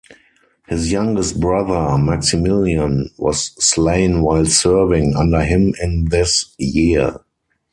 His youngest brother, Maximilian, was slain while serving under him in this year.